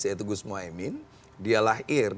yaitu gus mohaimin dia lahir